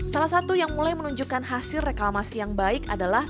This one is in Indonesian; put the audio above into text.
salah satu yang mulai menunjukkan hasil reklamasi yang baik adalah